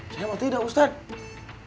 saya mah tidak ustadz